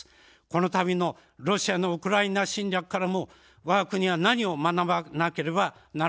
この度のロシアのウクライナ侵略からも、わが国は何を学ばなければならないのでありましょうか。